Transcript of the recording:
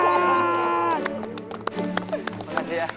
terima kasih ya